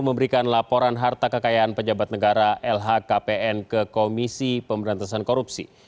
memberikan laporan harta kekayaan pejabat negara lhkpn ke komisi pemberantasan korupsi